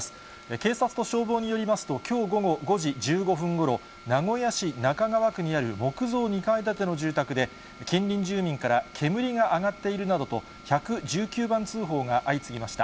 警察と消防によりますときょう午後５時１５分ごろ、名古屋市中川区にある木造２階建ての住宅で近隣住民から煙が上がっているなどと、１１９番通報が相次ぎました。